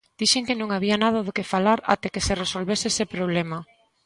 Dixen que non había nada do que falar até que se resolvese ese problema.